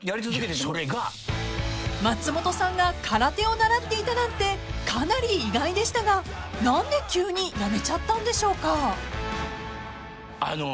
［松本さんが空手を習っていたなんてかなり意外でしたが何で急にやめちゃったんでしょうか？］